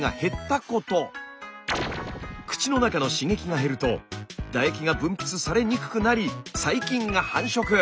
口の中の刺激が減ると唾液が分泌されにくくなり細菌が繁殖。